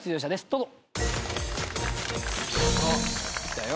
どうぞ。